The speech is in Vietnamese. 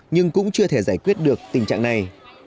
nhưng cũng chưa thể giải quyết được tình trạng này